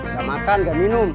gak makan gak minum